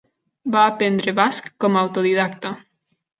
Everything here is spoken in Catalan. Va aprendre basc com a autodidacta.